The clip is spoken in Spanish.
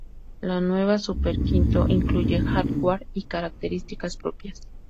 La nueva Super V, incluye hardware y características propias.